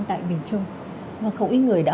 tại miền trung và không ít người đã